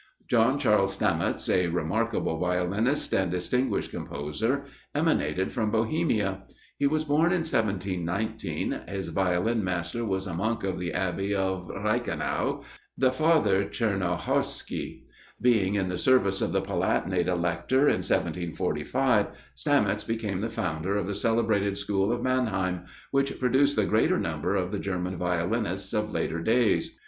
John Charles Stamitz, a remarkable violinist, and distinguished composer, emanated from Bohemia; he was born in 1719, his Violin master was a monk of the Abbey of Reichenau, the Father Czernohorsky. Being in the service of the Palatinate Elector in 1745, Stamitz became the founder of the celebrated school of Mannheim, which produced the greater number of the German violinists of later days.